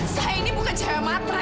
saya ini bukan cewek matra